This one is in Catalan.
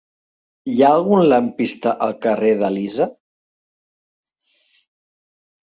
Hi ha algun lampista al carrer d'Elisa?